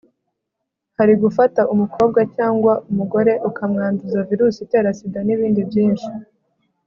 hari gufata umukobwa cyangwa umugore ukamwanduza virusi itera sida n'ibindi byinshi